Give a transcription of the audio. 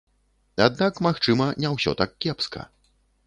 Аднак, магчыма, не ўсё так кепска.